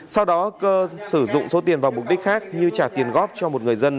sau đó cơ sử dụng số tiền vào mục đích khác như trả tiền góp cho một người dân